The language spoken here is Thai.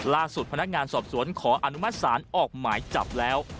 ล่าสุดพนักงานสอบสวนขออนุมัติศาลออกหมายจับแล้ว